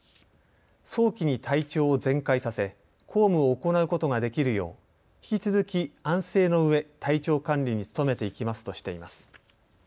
早期に体調を全快させ公務を行うことができるよう引き続き安静のうえ体調管理に努めていきますとしています。